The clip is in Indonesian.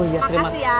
oh iya terima kasih ya